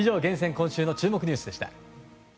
今週の注目ニュースでした。